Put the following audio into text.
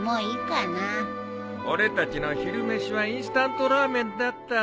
俺たちの昼飯はインスタントラーメンだったぞ。